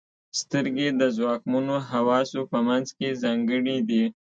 • سترګې د ځواکمنو حواسو په منځ کې ځانګړې دي.